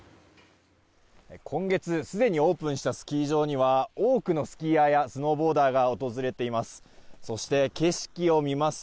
今月すでにオープンしたスキー場には多くのスキーヤーやスノーボーダーが訪れています。